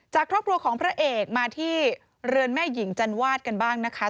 จากครอบครัวของพระเอกมาที่เรือนแม่หญิงจันวาดกันบ้างนะคะ